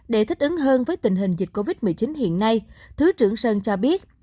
để thích ứng hơn với tình hình dịch covid một mươi chín hiện nay thứ trưởng sơn cho biết